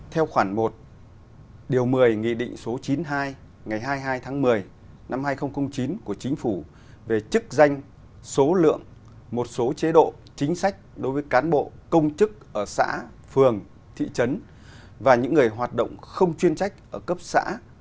theo khoản một điều một mươi nghị định số chín mươi hai ngày hai mươi hai tháng một mươi năm hai nghìn chín của chính phủ về chức danh số lượng một số chế độ chính sách đối với cán bộ công chức ở xã phường thị trấn và những người hoạt động không chuyên trách ở cấp xã